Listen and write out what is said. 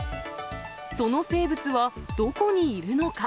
その生物は、どこにいるのか。